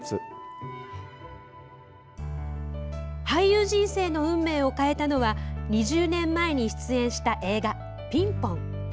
俳優人生の運命を変えたのは２０年前に出演した映画「ピンポン」。